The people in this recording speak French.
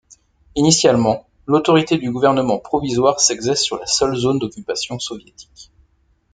Initialement, l'autorité du gouvernement provisoire s'exerce sur la seule zone d'occupation soviétique.